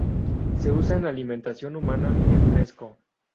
Se usa en alimentación humana en fresco.